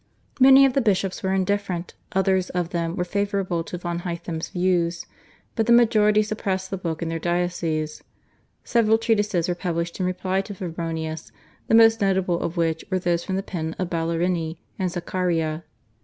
Many of the bishops were indifferent; others of them were favourable to von Hontheim's views; but the majority suppressed the book in their dioceses. Several treatises were published in reply to Febronius, the most notable of which were those form the pen of Ballerini and Zaccaria.